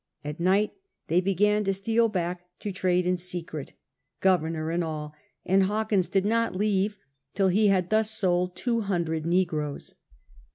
At night they began to steal back to trade in secret, Governor and all, and Hawkins did not leave till he had thus sold two hundred negroes.